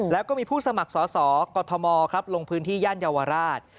แล้วก็มีผู้สมัครสอสอกอทมลงพื้นที่ย่านเยาวราช